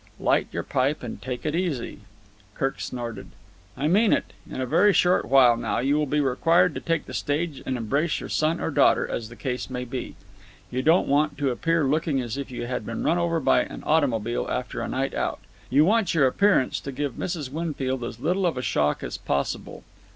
"Light your pipe and take it easy." Kirk snorted. "I mean it. In a very short while now you will be required to take the stage and embrace your son or daughter, as the case may be. You don't want to appear looking as if you had been run over by an automobile after a night out. You want your appearance to give Mrs. Winfield as little of a shock as possible.